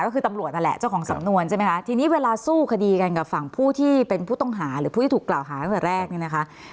ก็คือตำรวจนั่นแหละเจ้าของสำนวนใช่ไหมคะทีนี้เวลาสู้คดีกันกับฝั่งผู้ที่เป็นผู้ต้องหาหรือผู้ที่ถูกกล่าวหาตั้งแต่แรกเนี่ยนะคะ